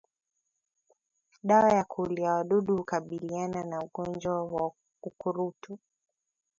Dawa za kuulia wadudu hukabiliana na ugonjwa wa ukurutu